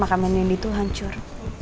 ternyata makam indi indi tuh hancur